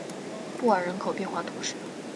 布尔人口变化图示